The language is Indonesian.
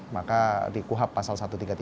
maka di kuhab pasal satu ratus tiga puluh tiga